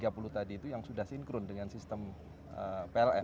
iya dua puluh dua tower dari tiga puluh tadi itu yang sudah sinkron dengan sistem pln